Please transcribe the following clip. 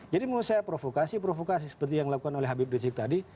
jadi mau saya provokasi provokasi seperti yang dilakukan oleh habib rizieq tadi